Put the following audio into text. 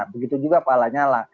begitu juga pak lanyala